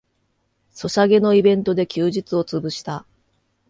ソシャゲのイベントで休日をつぶした